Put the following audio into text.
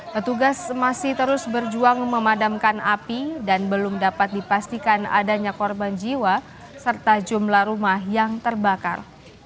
petugas masih terus berjuang memadamkan api dan belum dapat dipastikan adanya korban jiwa serta jumlah rumah yang terbakar